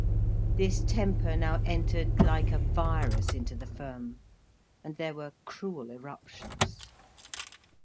This temper now entered like a virus into the firm, and there were cruel eruptions.